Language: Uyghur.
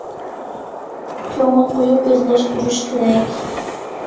كۆڭۈل قويۇپ ئۆزلەشتۈرۈش كېرەك.